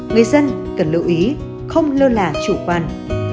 người dân cần lưu ý không lơ là chủ quan